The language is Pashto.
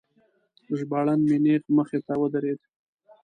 ژباړن مې نیغ مخې ته ودرید.